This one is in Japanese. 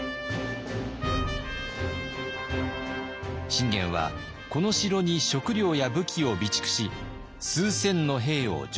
信玄はこの城に食料や武器を備蓄し数千の兵を常駐させました。